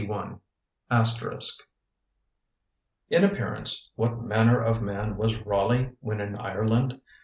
*] "In appearance what manner of man was Raleigh when in Ireland?